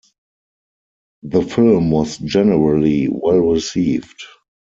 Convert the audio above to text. The film was generally well received.